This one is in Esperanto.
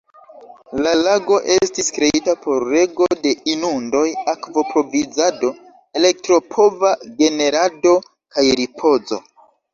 La lago estis kreita por rego de inundoj, akvo-provizado, elektro-pova generado, kaj ripozo.